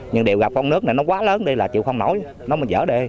nhưng điều gặp con nước này nó quá lớn đây là chịu không nổi nó mới dở đê